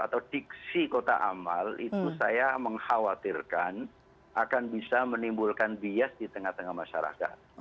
atau diksi kota amal itu saya mengkhawatirkan akan bisa menimbulkan bias di tengah tengah masyarakat